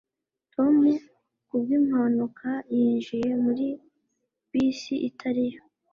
Tom ku bwimpanuka yinjiye muri bisi itari yo